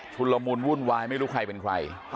ละมุนวุ่นวายไม่รู้ใครเป็นใคร